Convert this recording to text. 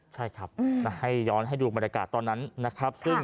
ใช่ครับให้ย้อนให้ดูบรรยากาศตอนนั้นนะครับ